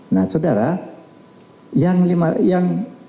nah saudara yang mungkin